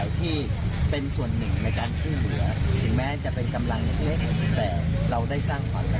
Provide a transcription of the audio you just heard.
สิ่งม้อจริงมัาก็เห็นไหมคะโอ้โหน้ำมันสูงมากเลย